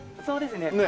そうですね。